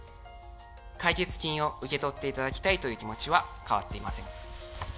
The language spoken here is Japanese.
解決金を受け取っていただきたいという気持ちは変わっていません。